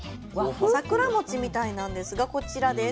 桜餅みたいなんですがこちらです。